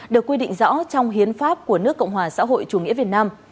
được quy định rõ trong hiến pháp của nước cộng hòa xã hội chủ nghĩa việt nam